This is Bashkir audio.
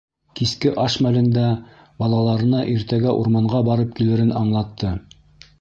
Киске аш мәлендә балаларына иртәгә урманға барып килерен аңлатты.